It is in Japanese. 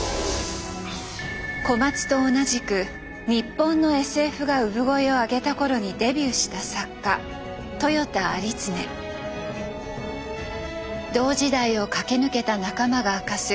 小松と同じく日本のＳＦが産声を上げた頃にデビューした作家同時代を駆け抜けた仲間が明かす